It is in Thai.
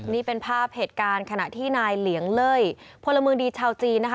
นี่เป็นภาพเหตุการณ์ขณะที่นายเหลียงเล่ยพลเมืองดีชาวจีนนะคะ